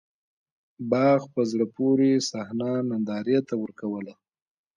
باغ په زړه پورې صحنه نندارې ته ورکوّله.